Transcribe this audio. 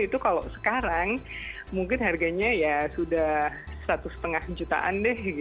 itu kalau sekarang mungkin harganya ya sudah satu lima jutaan deh